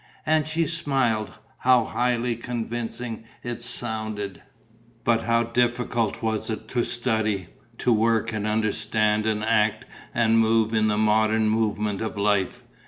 And she smiled: how highly convincing it sounded! But how difficult it was to study, to work and understand and act and move in the modern movement of life!